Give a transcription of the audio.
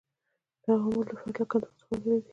دا عوامل د فرد له کنټرول څخه وتلي دي.